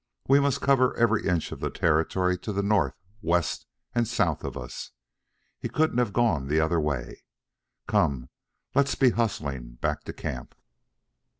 We must cover every inch of the territory to the north, west and south of us. He couldn't have gone the other way. Come, let's be hustling back to camp."